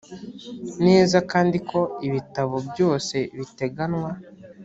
neza kandi ko ibitabo byose biteganywa